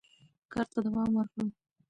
کار ته دوام ورکړو.